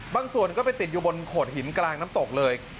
ส่วนก็ไปติดอยู่บนโขดหินกลางน้ำตกเลย